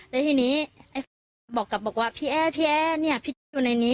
แล้วทีนี้บอกกับบอกว่าพี่แอ้พี่แอ้เนี่ยพี่อยู่ในนี้